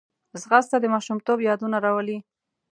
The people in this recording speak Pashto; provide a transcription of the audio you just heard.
ځغاسته د ماشومتوب یادونه راولي